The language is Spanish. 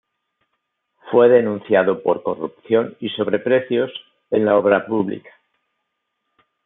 Fue denunciado por corrupción y sobreprecios en la obra pública.